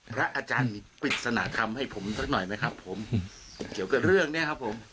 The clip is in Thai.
พระอาจารย์ปริศนธรรมให้ผมสักหน่อยไหมครับผมเกี่ยวกับเรื่องเนี้ยครับผม